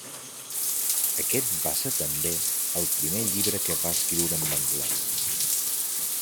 Aquest va ser també el primer llibre que va escriure en anglès.